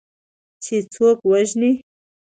چې څوک ووژني